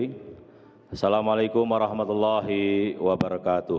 wassalamu'alaikum warahmatullahi wabarakatuh